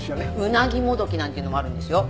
鰻もどきなんていうのもあるんですよ。